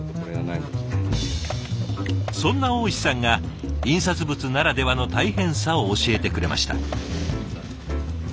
そんな大石さんが印刷物ならではの大変さを教えてくれました。